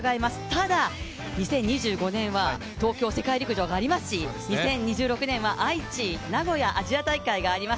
ただ２０２５年は東京世界陸上がありますし２０２６年は愛知名古屋アジア大会があります。